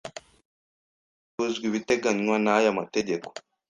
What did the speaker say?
bisimbujwe ibiteganywa n aya Mategeko